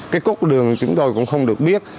cái cốt đường chúng tôi cũng không được biết